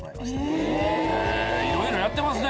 へぇいろいろやってますね。